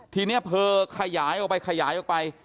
ทีนี้เธอขยายออกไป